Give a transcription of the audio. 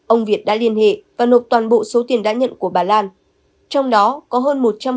ông việt đã liên hệ và nộp toàn bộ số tiền đã nhận của bà lan trong đó có hơn một trăm một mươi sáu hai mươi chín tỷ đồng